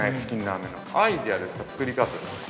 アイデアですか、作り方ですか。